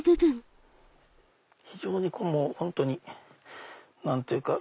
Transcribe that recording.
非常に本当に何ていうか。